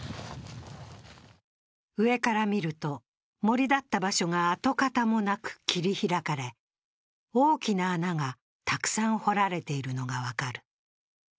上から見ると森だった場所が跡形もなく切り開かれ、大きな穴がたくさん掘られているのが分かる。